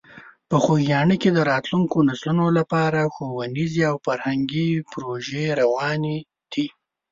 په خوږیاڼي کې د راتلونکو نسلونو لپاره ښوونیزې او فرهنګي پروژې روانې دي.